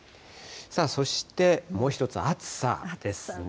そしてもう１つ、暑さですね。